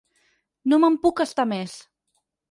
No me'n puc estar més.